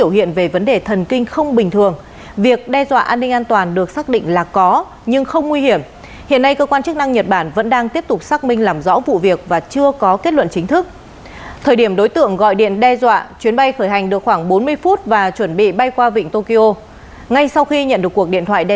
hãy đăng ký kênh để ủng hộ kênh của chúng mình nhé